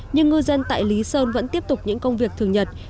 nhưng ngư dân tại lý sơn vẫn tiếp tục những công việc thường nhật